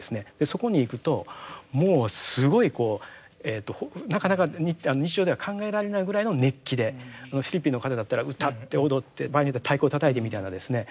そこに行くともうすごいなかなか日常では考えられないぐらいの熱気でフィリピンの方だったら歌って踊って場合によっては太鼓をたたいてみたいなですね